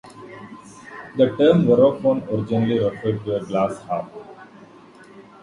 The term "verrophone" originally referred to a glass harp.